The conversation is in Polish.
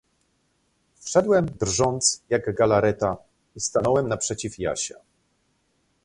"Wszedłem, drżąc jak galareta i stanąłem naprzeciw Jasia."